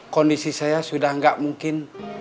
kondisi saya sudah tidak mungkin